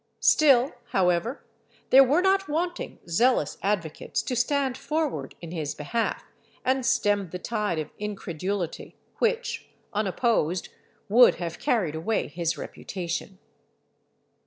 Still, however, there were not wanting zealous advocates to stand forward in his behalf, and stem the tide of incredulity, which, unopposed, would have carried away his reputation.